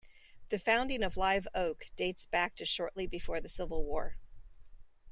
The founding of Live Oak dates back to shortly before the Civil War.